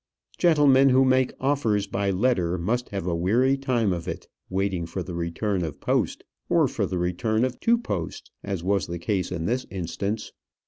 Gentlemen who make offers by letter must have a weary time of it, waiting for the return of post, or for the return of two posts, as was the case in this instance.